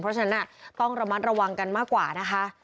เพราะฉะนั้นต้องระมัดระวังกันมากกว่านะคะ